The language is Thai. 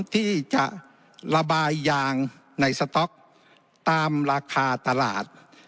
ที่จะระบายยางในสต๊อกตามราคาตลาด